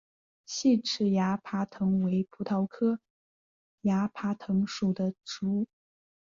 细齿崖爬藤为葡萄科崖爬藤属的植物。